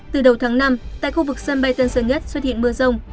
từ đầu tháng năm tại khu vực sân bay tân sơn nhất xuất hiện mưa rông